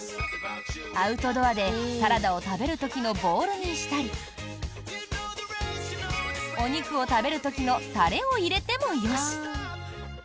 アウトドアでサラダを食べる時のボウルにしたりお肉を食べる時のタレを入れてもよし。